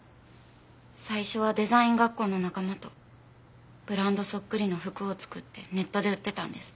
最初はデザイン学校の仲間とブランドそっくりの服を作ってネットで売ってたんです。